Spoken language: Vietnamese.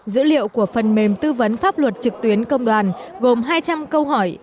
dữ liệu của phần mềm tư vấn pháp luật trực tuyến công đoàn gồm hai trăm linh câu hỏi